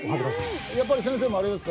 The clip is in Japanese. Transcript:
やっぱり先生もあれですか？